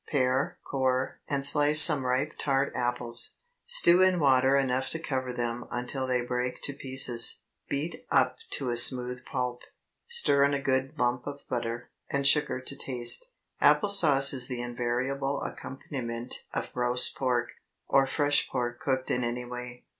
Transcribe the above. Pare, core, and slice some ripe tart apples, stew in water enough to cover them until they break to pieces. Beat up to a smooth pulp, stir in a good lump of butter, and sugar to taste. Apple sauce is the invariable accompaniment of roast pork—or fresh pork cooked in any way.